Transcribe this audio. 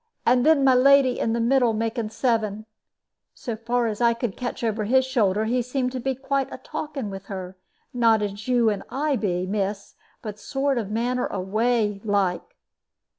And then my lady in the middle, making seven. So far as I could catch over his shoulder, he seemed to be quite a talking with her not as you and I be, miss, but a sort of a manner of a way, like."